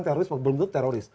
teroris belum tentu teroris